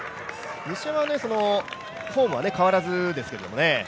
西山はそのフォームは変わらずですけどね。